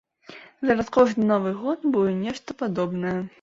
Зараз кожны новы год будзе нешта падобнае.